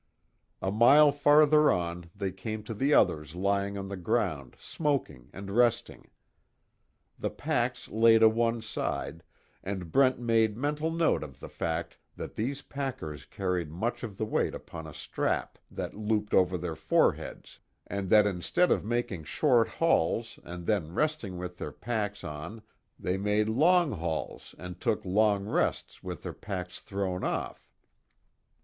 A mile farther on they came to the others lying on the ground smoking and resting. The packs lay to one side, and Brent made mental note of the fact that these packers carried much of the weight upon a strap that looped over their foreheads, and that instead of making short hauls and then resting with their packs on they made long hauls and took long rests with their packs thrown off.